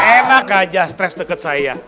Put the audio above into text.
enak aja stres dekat saya